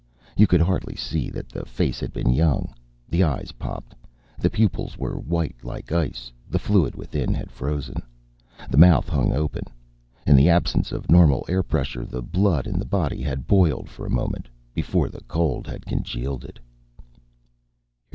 You could hardly see that the face had been young. The eyes popped. The pupils were white, like ice. The fluid within had frozen. The mouth hung open. In the absence of normal air pressure, the blood in the body had boiled for a moment, before the cold had congealed it.